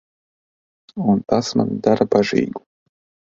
Un tas mani dara bažīgu.